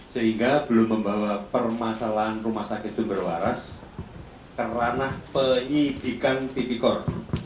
sehingga belum membawa permasalahan rumah sakit sumber waras ke ranah penyidikan tipikor